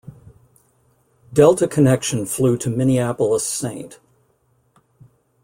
Delta Connection flew to Minneapolis-St.